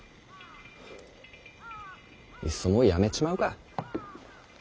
いっそもう辞めちまうか。